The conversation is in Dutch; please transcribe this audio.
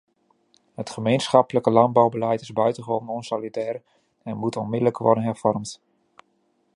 Het gemeenschappelijk landbouwbeleid is buitengewoon onsolidair en moet onmiddellijk worden hervormd.